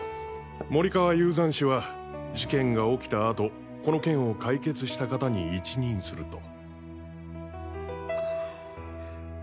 森川雄山氏は事件が起きた後この件を解決した方に一任すると。